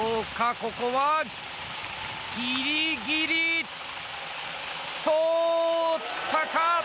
ここはギリギリ通ったか？